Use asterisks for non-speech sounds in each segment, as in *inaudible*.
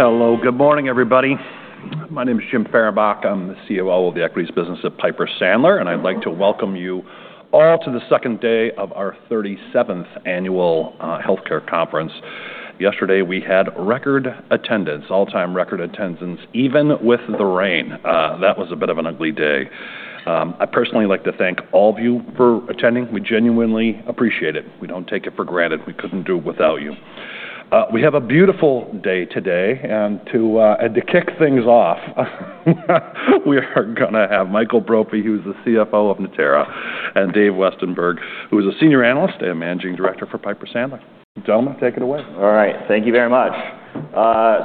Hello, good morning, everybody. My name is Jim Fehrenbach. I'm the COO of the equities business at Piper Sandler, and I'd like to welcome you all to the second day of our 37th annual healthcare conference. Yesterday, we had record attendance, all-time record attendance, even with the rain. That was a bit of an ugly day. I personally like to thank all of you for attending. We genuinely appreciate it. We don't take it for granted. We couldn't do it without you. We have a beautiful day today, and to kick things off, we are going to have Michael Brophy, who's the CFO of Natera, and Dave Westenberg, who is a senior analyst and managing director for Piper Sandler. Gentlemen, take it away. All right, thank you very much.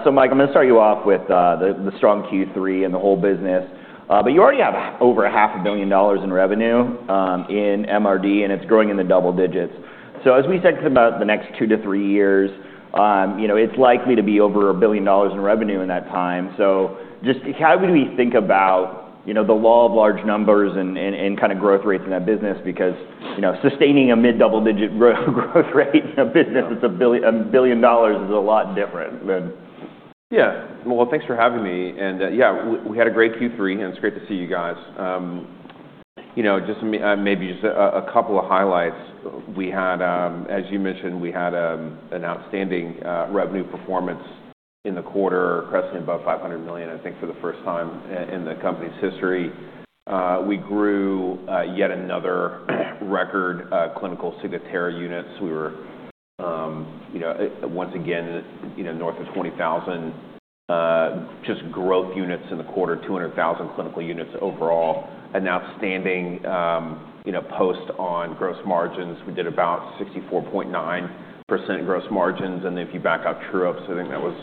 So, Mike, I'm going to start you off with the strong Q3 and the whole business. But you already have over $500 million in revenue in MRD, and it's growing in the double digits. So, as we said, about the next two to three years, it's likely to be over $1 billion in revenue in that time. So, just how do we think about the law of large numbers and kind of growth rates in that business? Because sustaining a mid-double digit growth rate in a business that's $1 billion is a lot different than. Yeah, well, thanks for having me. And yeah, we had a great Q3, and it's great to see you guys. Maybe just a couple of highlights. As you mentioned, we had an outstanding revenue performance in the quarter, cresting above $500 million, I think, for the first time in the company's history. We grew yet another record clinical signature units. We were, once again, north of 20,000 just growth units in the quarter, 200,000 clinical units overall. An outstanding post on gross margins. We did about 64.9% gross margins. And then if you back out true-ups, I think that was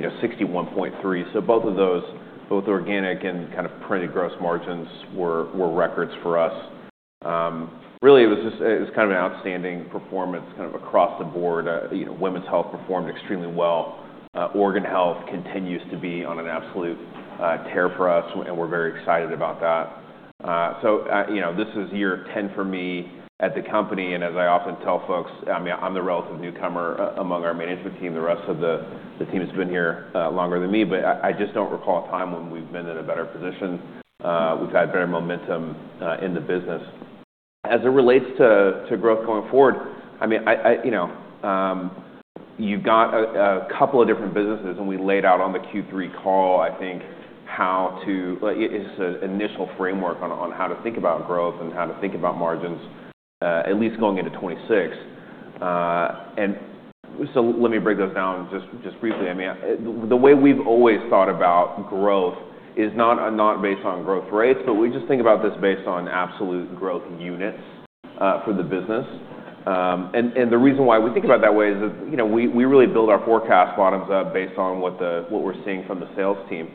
61.3%. So, both of those, both organic and kind of printed gross margins, were records for us. Really, it was kind of an outstanding performance kind of across the board. Women's Health performed extremely well. Organ Health continues to be on an absolute tear for us, and we're very excited about that. So, this is year 10 for me at the company. And as I often tell folks, I'm the relative newcomer among our management team. The rest of the team has been here longer than me, but I just don't recall a time when we've been in a better position. We've had better momentum in the business. As it relates to growth going forward, you've got a couple of different businesses, and we laid out on the Q3 call, I think, how to, it's an initial framework on how to think about growth and how to think about margins, at least going into 2026. And so, let me break those down just briefly. The way we've always thought about growth is not based on growth rates, but we just think about this based on absolute growth units for the business. And the reason why we think about it that way is that we really build our forecast bottoms up based on what we're seeing from the sales team.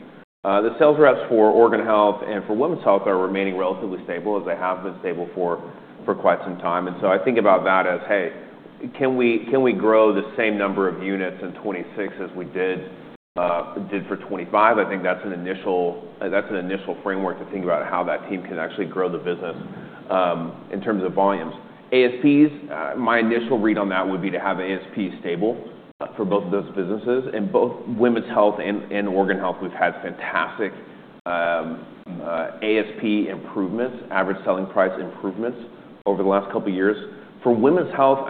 The sales reps for Organ Health and for Women's Health are remaining relatively stable, as they have been stable for quite some time. And so, I think about that as, hey, can we grow the same number of units in 2026 as we did for 2025? I think that's an initial framework to think about how that team can actually grow the business in terms of volumes. ASPs, my initial read on that would be to have ASPs stable for both of those businesses. And both Women's Health and Organ Health, we've had fantastic ASP improvements, average selling price improvements over the last couple of years. For Women's Health,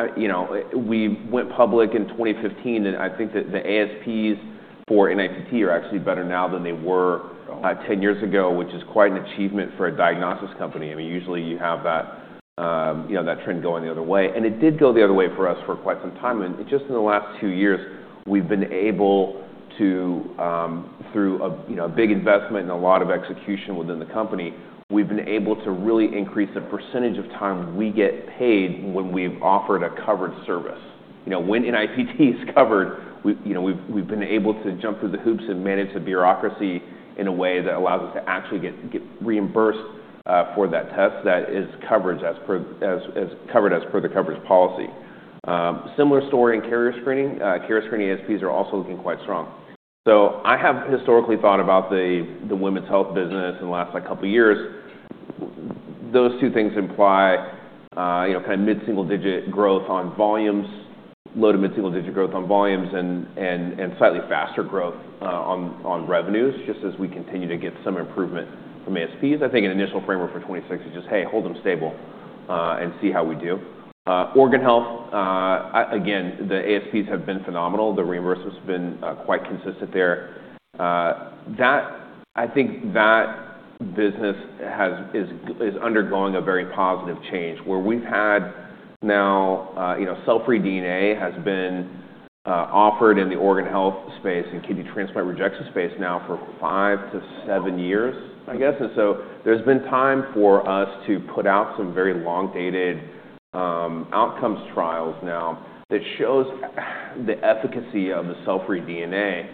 we went public in 2015, and I think that the ASPs for NIPT are actually better now than they were 10 years ago, which is quite an achievement for a diagnostics company. Usually, you have that trend going the other way. And it did go the other way for us for quite some time. And just in the last two years, we've been able to, through a big investment and a lot of execution within the company, we've been able to really increase the percentage of time we get paid when we've offered a covered service. When NIPT is covered, we've been able to jump through the hoops and manage the bureaucracy in a way that allows us to actually get reimbursed for that test that is covered as per the coverage policy. Similar story in carrier screening. Carrier screening ASPs are also looking quite strong. So, I have historically thought about the Women's Health business in the last couple of years. Those two things imply kind of mid-single digit growth on volumes, low to mid-single digit growth on volumes, and slightly faster growth on revenues, just as we continue to get some improvement from ASPs. I think an initial framework for 2026 is just, hey, hold them stable and see how we do. Organ Health, again, the ASPs have been phenomenal. The reimbursement has been quite consistent there. I think that business is undergoing a very positive change, where we've had now, cell-free DNA has been offered in the organ health space and kidney transplant rejection space now for five to seven years, I guess. And so, there's been time for us to put out some very long-dated outcomes trials now that show the efficacy of the cell-free DNA,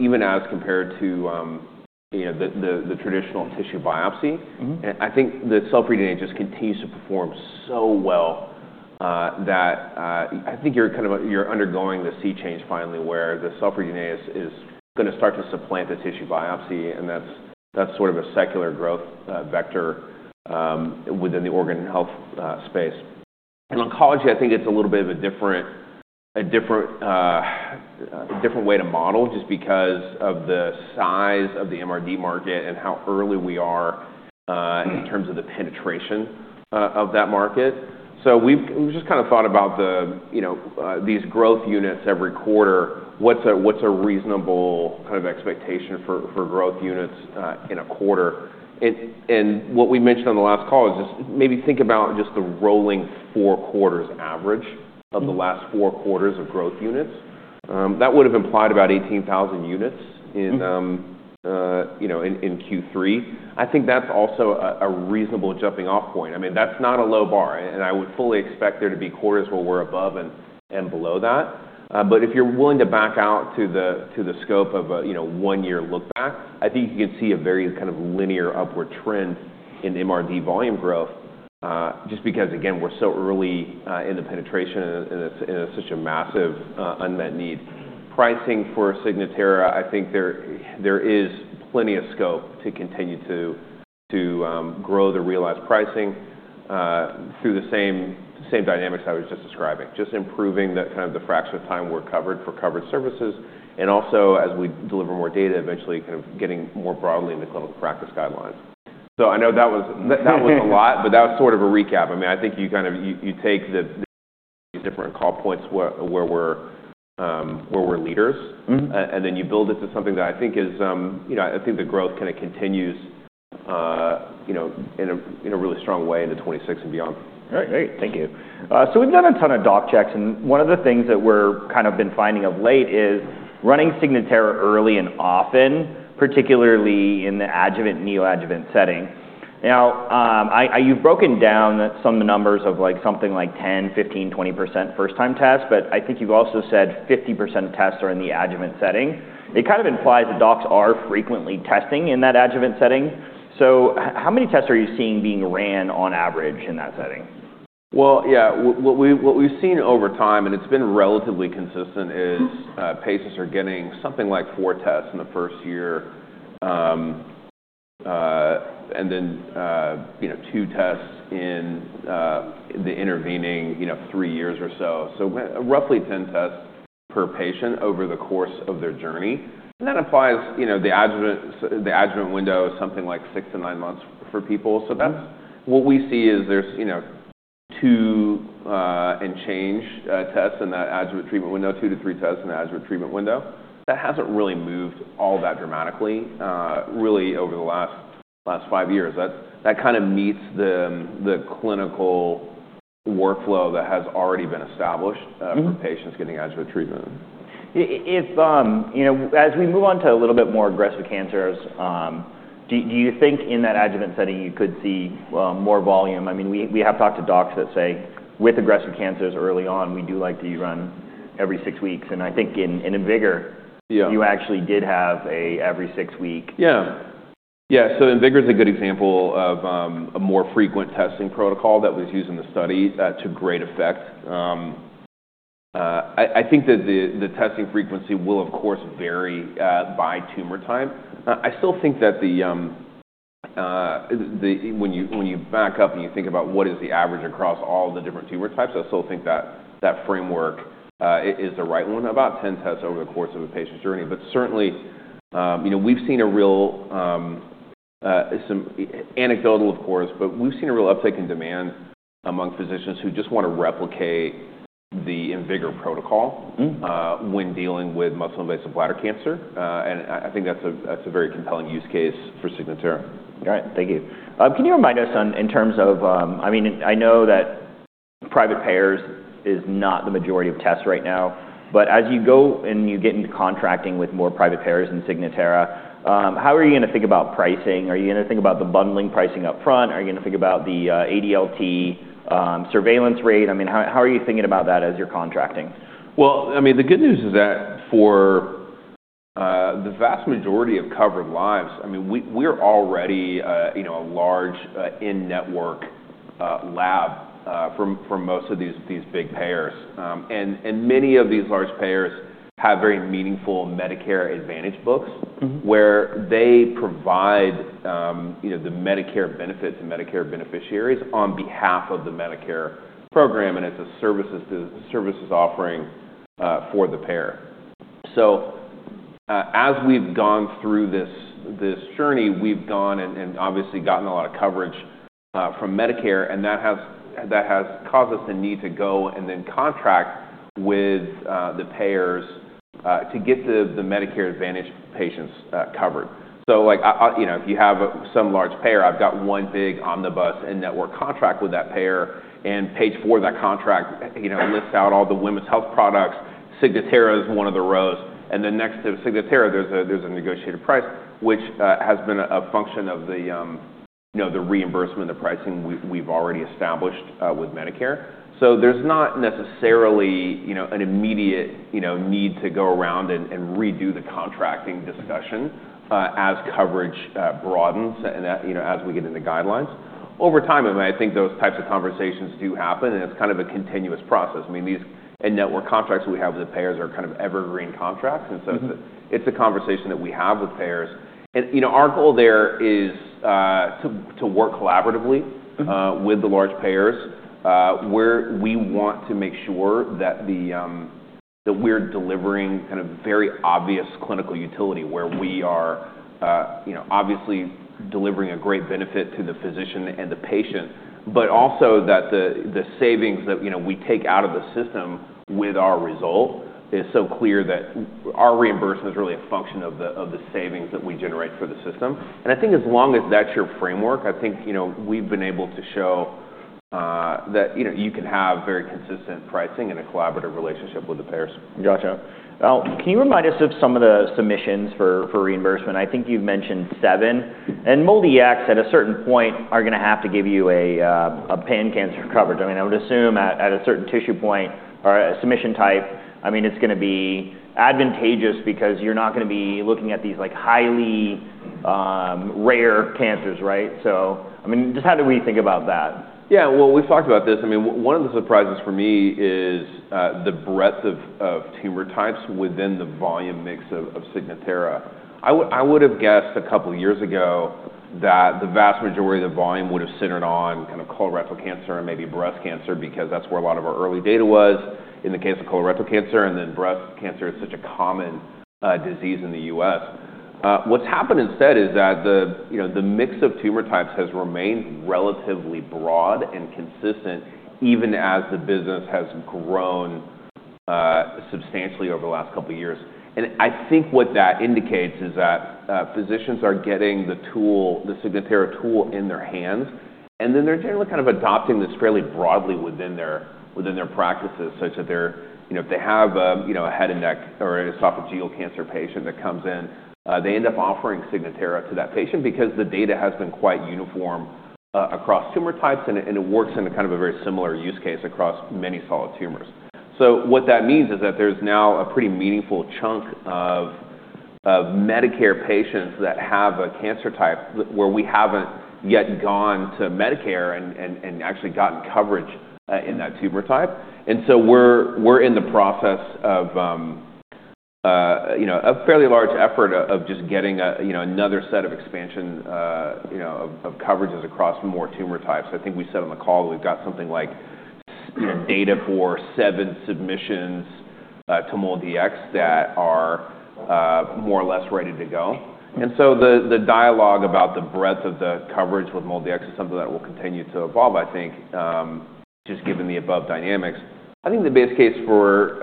even as compared to the traditional tissue biopsy. I think the cell-free DNA just continues to perform so well that I think you're kind of undergoing the sea change finally, where the cell-free DNA is going to start to supplant the tissue biopsy, and that's sort of a secular growth vector within the organ health space. In oncology, I think it's a little bit of a different way to model just because of the size of the MRD market and how early we are in terms of the penetration of that market. So, we've just kind of thought about these growth units every quarter. What's a reasonable kind of expectation for growth units in a quarter? And what we mentioned on the last call is just maybe think about just the rolling four quarters average of the last four quarters of growth units. That would have implied about 18,000 units in Q3. I think that's also a reasonable jumping-off point. I mean, that's not a low bar, and I would fully expect there to be quarters where we're above and below that. But if you're willing to back out to the scope of a one-year lookback, I think you can see a very kind of linear upward trend in MRD volume growth, just because, again, we're so early in the penetration and it's such a massive unmet need. Pricing for Signatera, I think there is plenty of scope to continue to grow the realized pricing through the same dynamics I was just describing, just improving kind of the fraction of time we're covered for covered services. And also, as we deliver more data, eventually kind of getting more broadly into clinical practice guidelines, so I know that was a lot, but that was sort of a recap. I mean, I think you kind of take the different call points where we're leaders, and then you build it to something that I think is, I think the growth kind of continues in a really strong way into 2026 and beyond. All right, great. Thank you. So, we've done a ton of doc checks, and one of the things that we've kind of been finding of late is running Signatera early and often, particularly in the adjuvant and neoadjuvant setting. Now, you've broken down some of the numbers of something like 10%, 15%, 20% first-time tests, but I think you've also said 50% of tests are in the adjuvant setting. It kind of implies that docs are frequently testing in that adjuvant setting. So, how many tests are you seeing being ran on average in that setting? Yeah, what we've seen over time, and it's been relatively consistent, is patients are getting something like four tests in the first year and then two tests in the intervening three years or so. So, roughly 10 tests per patient over the course of their journey. And that implies the adjuvant window is something like six to nine months for people. So, what we see is there's two and change tests in that adjuvant treatment window, two to three tests in the adjuvant treatment window. That hasn't really moved all that dramatically, really, over the last five years. That kind of meets the clinical workflow that has already been established for patients getting adjuvant treatment. As we move on to a little bit more aggressive cancers, do you think in that adjuvant setting you could see more volume? I mean, we have talked to docs that say with aggressive cancers early on, we do like to run every six weeks. And I think in IMvigor, *crosstalk* you actually did have an every six-week. Yeah. Yeah, so IMvigor is a good example of a more frequent testing protocol that was used in the study to great effect. I think that the testing frequency will, of course, vary by tumor type. I still think that when you back up and you think about what is the average across all the different tumor types, I still think that that framework is the right one, about 10 tests over the course of a patient's journey. But certainly, we've seen a real, anecdotal, of course, but we've seen a real uptick in demand among physicians who just want to replicate the IMvigor protocol when dealing with muscle-invasive bladder cancer. And I think that's a very compelling use case for Signatera. All right, thank you. Can you remind us in terms of, I mean, I know that private payers is not the majority of tests right now, but as you go and you get into contracting with more private payers and Signatera, how are you going to think about pricing? Are you going to think about the bundling pricing upfront? Are you going to think about the ADLT surveillance rate? I mean, how are you thinking about that as you're contracting? Well, I mean, the good news is that for the vast majority of covered lives, I mean, we're already a large in-network lab for most of these big payers. And many of these large payers have very meaningful Medicare Advantage books, where they provide the Medicare benefits and Medicare beneficiaries on behalf of the Medicare program, and it's a services offering for the payer. So, as we've gone through this journey, we've gone and obviously gotten a lot of coverage from Medicare, and that has caused us the need to go and then contract with the payers to get the Medicare Advantage patients covered. So, if you have some large payer, I've got one big omnibus in-network contract with that payer, and page four of that contract lists out all the Women's Health products. Signatera is one of the rows. And then next to Signatera, there's a negotiated price, which has been a function of the reimbursement, the pricing we've already established with Medicare. So, there's not necessarily an immediate need to go around and redo the contracting discussion as coverage broadens and as we get into guidelines. Over time, I mean, I think those types of conversations do happen, and it's kind of a continuous process. I mean, these in-network contracts we have with the payers are kind of evergreen contracts. And so, it's a conversation that we have with payers. Our goal there is to work collaboratively with the large payers, where we want to make sure that we're delivering kind of very obvious clinical utility, where we are obviously delivering a great benefit to the physician and the patient, but also that the savings that we take out of the system with our result is so clear that our reimbursement is really a function of the savings that we generate for the system. I think as long as that's your framework, I think we've been able to show that you can have very consistent pricing and a collaborative relationship with the payers. Gotcha. Can you remind us of some of the submissions for reimbursement? I think you've mentioned seven. And MolDX, at a certain point, are going to have to give you a pan-cancer coverage. I mean, I would assume at a certain point in time or a submission type, I mean, it's going to be advantageous because you're not going to be looking at these highly rare cancers, right? So, I mean, just how do we think about that? Yeah, well, we've talked about this. I mean, one of the surprises for me is the breadth of tumor types within the volume mix of Signatera. I would have guessed a couple of years ago that the vast majority of the volume would have centered on kind of colorectal cancer and maybe breast cancer because that's where a lot of our early data was in the case of colorectal cancer, and then breast cancer is such a common disease in the U.S. What's happened instead is that the mix of tumor types has remained relatively broad and consistent, even as the business has grown substantially over the last couple of years. I think what that indicates is that physicians are getting the tool, the Signatera tool in their hands, and then they're generally kind of adopting this fairly broadly within their practices, such that if they have a head and neck or esophageal cancer patient that comes in, they end up offering Signatera to that patient because the data has been quite uniform across tumor types, and it works in kind of a very similar use case across many solid tumors. What that means is that there's now a pretty meaningful chunk of Medicare patients that have a cancer type where we haven't yet gone to Medicare and actually gotten coverage in that tumor type. We're in the process of a fairly large effort of just getting another set of expansion of coverages across more tumor types. I think we said on the call that we've got something like data for seven submissions to MolDX that are more or less ready to go. And so, the dialogue about the breadth of the coverage with MolDX is something that will continue to evolve, I think, just given the above dynamics. I think the base case for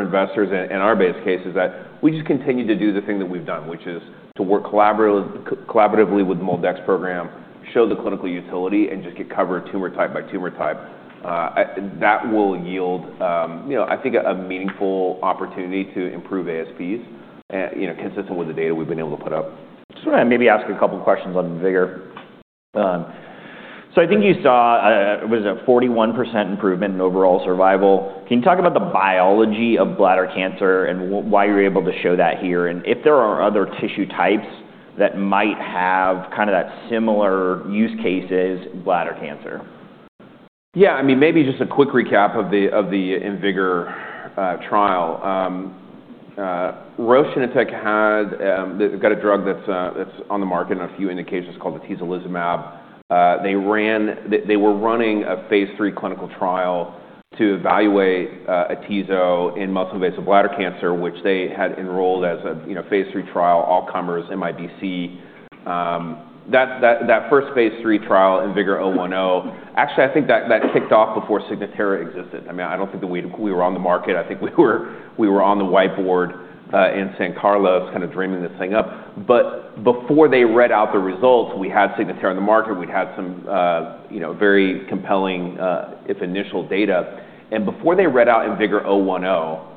investors and our base case is that we just continue to do the thing that we've done, which is to work collaboratively with the MolDX program, show the clinical utility, and just get covered tumor type by tumor type. That will yield, I think, a meaningful opportunity to improve ASPs, consistent with the data we've been able to put up. I maybe ask a couple of questions on IMvigor. I think you saw, what is it, 41% improvement in overall survival. Can you talk about the biology of bladder cancer and why you're able to show that here? And if there are other tissue types that might have kind of that similar use cases, bladder cancer? Yeah, I mean, maybe just a quick recap of the IMvigor trial. Roche Genentech had a drug that's on the market in a few indications called atezolizumab. They were running a phase III clinical trial to evaluate atezo in muscle-invasive bladder cancer, which they had enrolled as a phase III trial, adjuvant, MIBC. That first phase III trial, IMvigor010, actually, I think that kicked off before Signatera existed. I mean, I don't think that we were on the market. I think we were on the whiteboard in San Carlos kind of dreaming this thing up. But before they read out the results, we had Signatera in the market. We'd had some very compelling, if initial, data. Before they read out IMvigor010,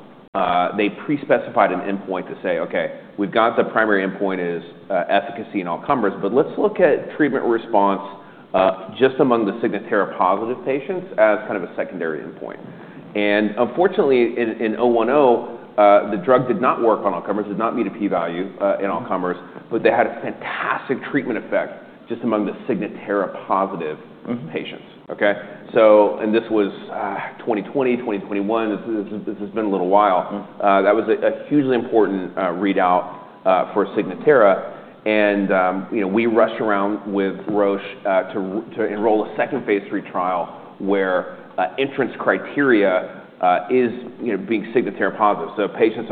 they pre-specified an endpoint to say, "Okay, we've got the primary endpoint is efficacy in all comers, but let's look at treatment response just among the Signatera positive patients as kind of a secondary endpoint." Unfortunately, in 010, the drug did not work on all comers, did not meet a p-value in all comers, but they had a fantastic treatment effect just among the Signatera positive patients, okay? So, and this was 2020, 2021. This has been a little while. That was a hugely important readout for Signatera. We rushed around with Roche to enroll a second phase III trial where entrance criteria is being Signatera positive. So, patients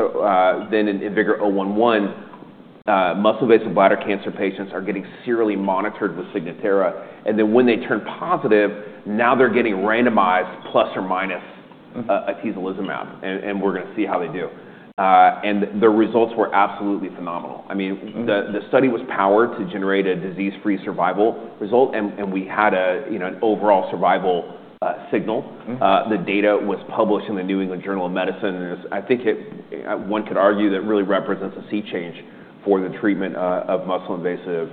then in IMvigor011, muscle-invasive bladder cancer patients are getting serially monitored with Signatera. And then when they turn positive, now they're getting randomized plus or minus atezolizumab, and we're going to see how they do. The results were absolutely phenomenal. I mean, the study was powered to generate a disease-free survival result, and we had an overall survival signal. The data was published in the New England Journal of Medicine. I think one could argue that really represents a sea change for the treatment of muscle-invasive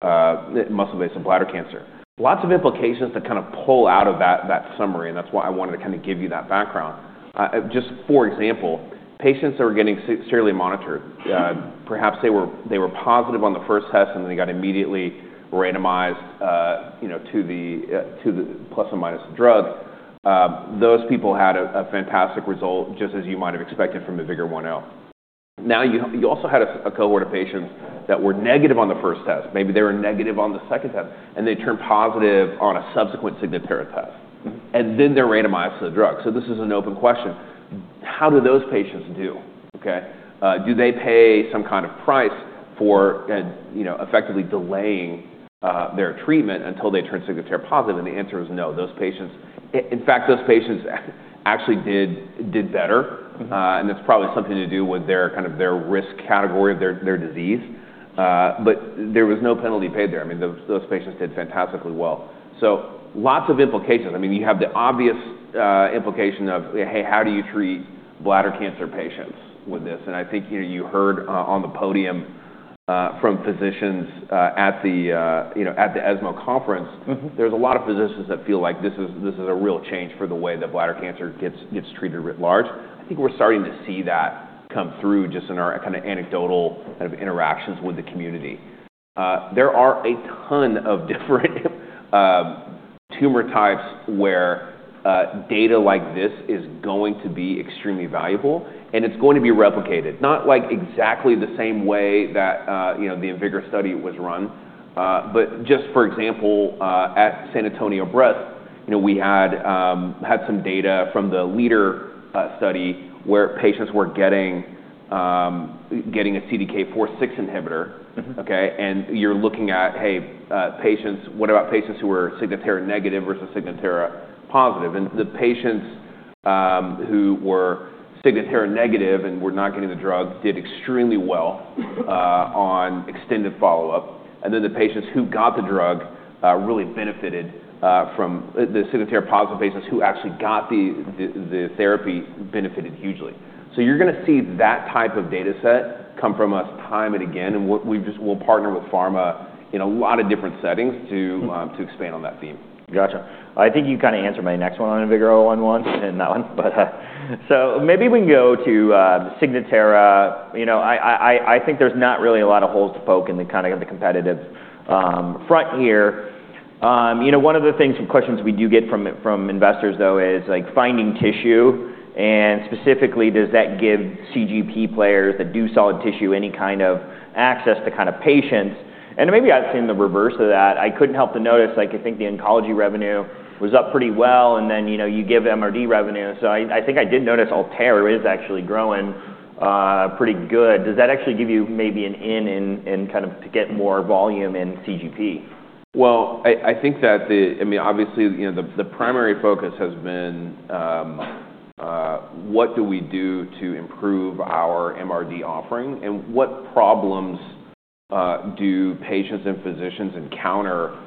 bladder cancer. Lots of implications to kind of pull out of that summary, and that's why I wanted to kind of give you that background. Just for example, patients that were getting serially monitored, perhaps they were positive on the first test, and then they got immediately randomized to the plus or minus drug. Those people had a fantastic result, just as you might have expected from IMvigor010. Now, you also had a cohort of patients that were negative on the first test. Maybe they were negative on the second test, and they turned positive on a subsequent Signatera test. And then they're randomized to the drug. So, this is an open question. How do those patients do? Okay? Do they pay some kind of price for effectively delaying their treatment until they turn Signatera positive? And the answer is no. In fact, those patients actually did better, and it's probably something to do with kind of their risk category of their disease. But there was no penalty paid there. I mean, those patients did fantastically well. So, lots of implications. I mean, you have the obvious implication of, "Hey, how do you treat bladder cancer patients with this?" And I think you heard on the podium from physicians at the ESMO conference. There's a lot of physicians that feel like this is a real change for the way that bladder cancer gets treated writ large. I think we're starting to see that come through just in our kind of anecdotal kind of interactions with the community. There are a ton of different tumor types where data like this is going to be extremely valuable, and it's going to be replicated. Not like exactly the same way that the IMvigor study was run, but just, for example, at San Antonio Breast, we had some data from the LEADER study where patients were getting a CDK4/6 inhibitor, okay? You're looking at, "Hey, patients, what about patients who were Signatera negative versus Signatera positive?" The patients who were Signatera negative and were not getting the drug did extremely well on extended follow-up. The patients who got the drug really benefited from the Signatera positive patients who actually got the therapy benefited hugely. You're going to see that type of data set come from us time and again, and we'll partner with pharma in a lot of different settings to expand on that theme. Gotcha. I think you kind of answered my next one on IMvigor011 and that one, but so maybe we can go to Signatera. I think there's not really a lot of holes to poke in the kind of competitive front here. One of the questions we do get from investors, though, is finding tissue, and specifically, does that give CGP players that do solid tissue any kind of access to kind of patients? And maybe I've seen the reverse of that. I couldn't help but notice, I think the oncology revenue was up pretty well, and then you give MRD revenue so I think I did notice Altera is actually growing pretty good. Does that actually give you maybe an in kind of to get more volume in CGP? Well, I think that, I mean, obviously, the primary focus has been, what do we do to improve our MRD offering and what problems do patients and physicians encounter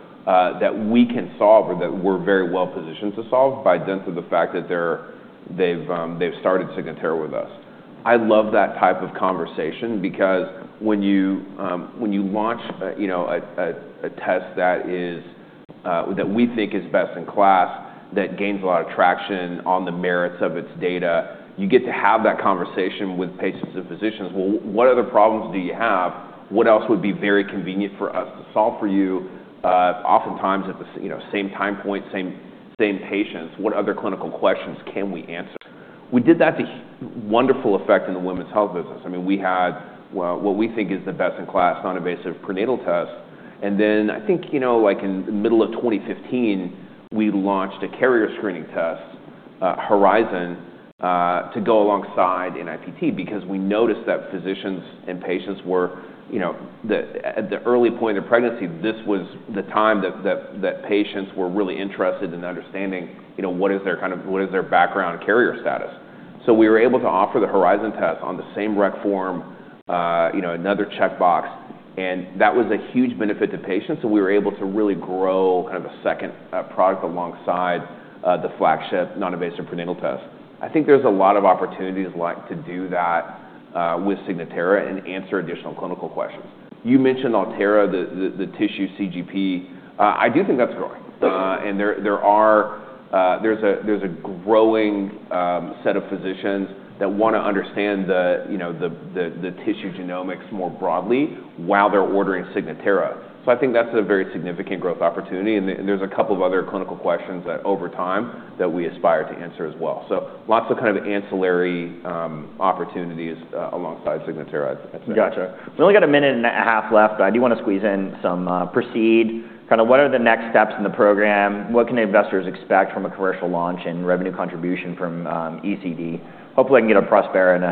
that we can solve or that we're very well positioned to solve by dint of the fact that they've started Signatera with us? I love that type of conversation because when you launch a test that we think is best in class, that gains a lot of traction on the merits of its data, you get to have that conversation with patients and physicians. Well, what other problems do you have? What else would be very convenient for us to solve for you? Oftentimes, at the same time point, same patients, what other clinical questions can we answer? We did that to wonderful effect in the women's health business. I mean, we had what we think is the best in class non-invasive prenatal test, and then I think in the middle of 2015, we launched a carrier screening test, Horizon, to go alongside NIPT because we noticed that physicians and patients were at the early point of pregnancy. This was the time that patients were really interested in understanding what is their kind of background carrier status, so we were able to offer the Horizon test on the same rec form, another checkbox, and that was a huge benefit to patients, so we were able to really grow kind of a second product alongside the flagship non-invasive prenatal test. I think there's a lot of opportunities to do that with Signatera and answer additional clinical questions. You mentioned Altera, the tissue CGP. I do think that's growing. And there's a growing set of physicians that want to understand the tissue genomics more broadly while they're ordering Signatera. So, I think that's a very significant growth opportunity. And there's a couple of other clinical questions that over time that we aspire to answer as well. So, lots of kind of ancillary opportunities alongside Signatera. Gotcha. We only got a minute and a half left, but I do want to squeeze in some. PROCEED, kind of what are the next steps in the program? What can investors expect from a commercial launch and revenue contribution from ECD? Hopefully, I can get a Prospera and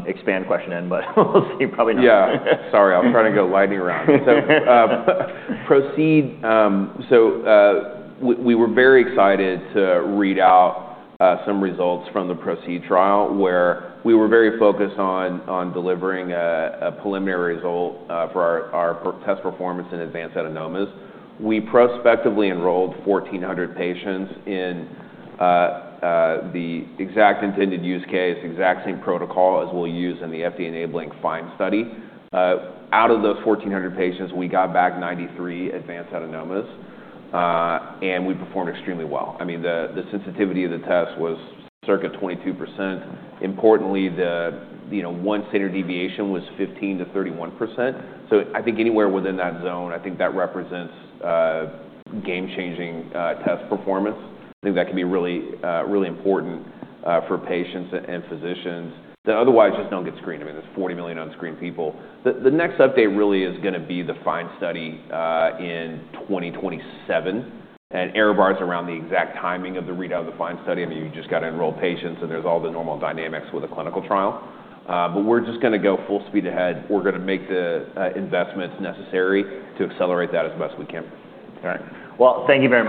an expansion question in, but we'll see. Probably not. Yeah. Sorry, I'm trying to go lightning round. So, PROCEED. So, we were very excited to read out some results from the PROCEED trial where we were very focused on delivering a preliminary result for our test performance in advanced adenomas. We prospectively enrolled 1,400 patients in the exact intended use case, exact same protocol as we'll use in the FDA-enabling FIND study. Out of those 1,400 patients, we got back 93 advanced adenomas, and we performed extremely well. I mean, the sensitivity of the test was circa 22%. Importantly, the one standard deviation was 15%-31%. So, I think anywhere within that zone, I think that represents game-changing test performance. I think that can be really important for patients and physicians that otherwise just don't get screened. I mean, there's 40 million unscreened people. The next update really is going to be the FIND study in 2027. And error bars around the exact timing of the readout of the FIND study. I mean, you just got to enroll patients, and there's all the normal dynamics with a clinical trial. But we're just going to go full speed ahead. We're going to make the investments necessary to accelerate that as best we can. All right, well, thank you very much.